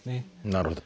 なるほど。